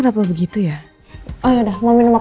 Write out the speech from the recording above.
lagi seru mainnya